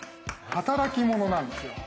働き者なんですよ。